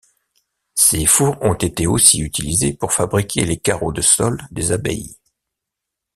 Ces fours ont été aussi utilisés pour fabriquer les carreaux de sol des abbayes.